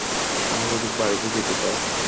আমি শুধু বাড়িতে যেতে চাই!